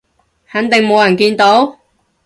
肯定冇人見到？